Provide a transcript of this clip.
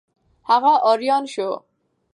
هغه آریان شو.